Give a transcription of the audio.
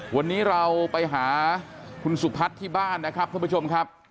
วันนี้เราไปหาคุณสุพัฒน์ที่บ้านนะครับท่านผู้ชมครับ